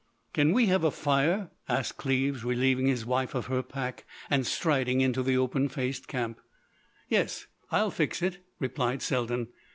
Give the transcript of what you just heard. "Can we have a fire?" asked Cleves, relieving his wife of her pack and striding into the open faced camp. "Yes, I'll fix it," replied Selden.